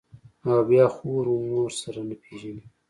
او بيا خور و مور سره نه پېژني.